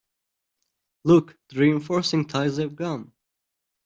Look, the reinforcing ties have gone!